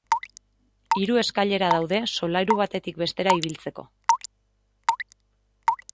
Hiru eskailera daude solairu batetik bestera ibiltzeko.